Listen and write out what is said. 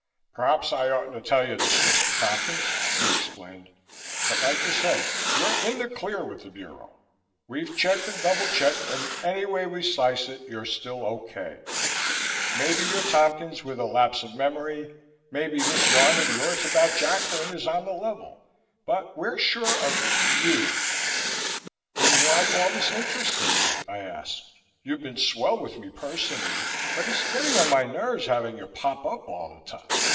"Perhaps I oughtn't to tell you this, Mr. Tompkins," he explained, "but like you said, you're in the clear with the Bureau. We've checked and double checked and any way we slice it, you're still okay. Maybe you're Tompkins with a lapse of memory, maybe this yarn of yours about Jacklin is on the level, but we're sure of you." "Then why all this interest in me?" I asked. "You've been swell with me personally, but it's getting on my nerves having you pop up all the time.